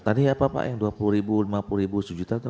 tadi apa pak yang rp dua puluh rp lima puluh rp satu atau apa ya